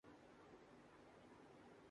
کی بڑی بہن کا نام